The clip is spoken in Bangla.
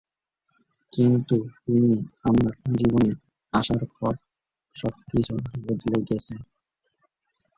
কিন্তু তুমি আমার জীবনে আসার পর সবকিছু বদলে গেছে।